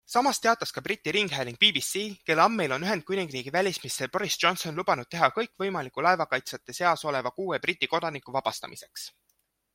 Sama teatas ka Briti ringhääling BBC, kelle andmeil on Ühendkuningriigi välisminister Boris Johnson lubanud teha kõik võimaliku laevakaitsjate seas oleva kuue Briti kodaniku vabastamiseks.